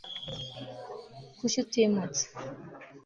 kuki utimutse